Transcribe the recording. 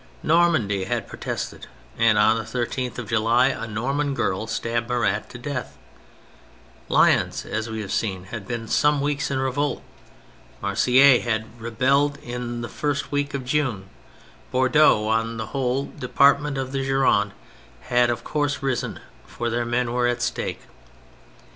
Nor mandy had protested, and on the 13th of July a Norman girl stabbed Marat to death, Lyons, as we have seen, had been some weeks in revolt; Marseilles had rebelled in the first week of June, Bordeaux and the whole department of the Gironde had of course risen, for their men were at stake.